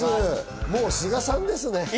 もう須賀さんですね。